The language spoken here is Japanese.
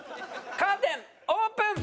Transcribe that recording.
カーテンオープン！